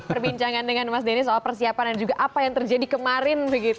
perbincangan dengan mas denny soal persiapan dan juga apa yang terjadi kemarin begitu